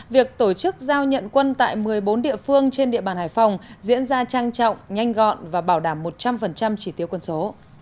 việc tổ chức giao nhận quân tại một mươi bốn địa phương trên địa bàn hải phòng diễn ra trang trọng nhanh gọn và bảo đảm một trăm linh chỉ tiêu quân số